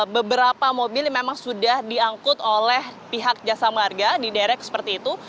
beberapa mobil memang sudah diangkut oleh pihak jasa warga di direct seperti itu